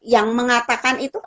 yang mengatakan itu